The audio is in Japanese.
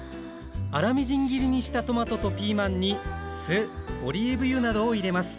粗みじん切りにしたトマトとピーマンに酢オリーブ油などを入れます。